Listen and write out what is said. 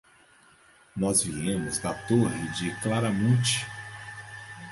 Nós viemos da Torre de Claramunt.